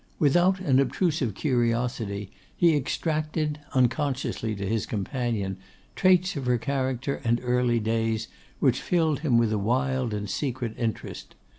Without an obtrusive curiosity, he extracted, unconsciously to his companion, traits of her character and early days, which filled him with a wild and secret interest.